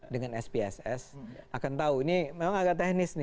dengan spss akan tahu ini memang agak teknis nih